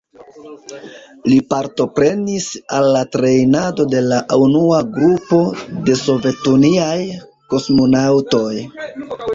Li partoprenis al la trejnado de la unua grupo de sovetuniaj kosmonaŭtoj.